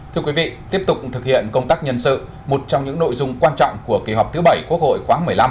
thưa quý vị tiếp tục thực hiện công tác nhân sự một trong những nội dung quan trọng của kỳ họp thứ bảy quốc hội khóa một mươi năm